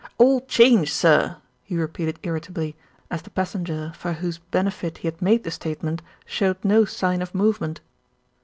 "All change, sir!" he repeated irritably, as the pas senger for whose benefit he had made the statement showed no sign of movement.